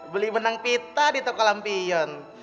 beli benang pita di toko lampion